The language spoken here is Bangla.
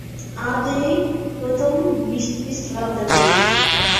আজ এই প্রথম বৃষ্টি-বৃষ্টি ভাব দেখা দিয়েছে।